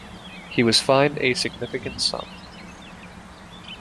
He was fined a significant sum.